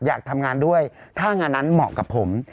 อยากทำงานด้วยถ้างานนั้นเหมาะกับผม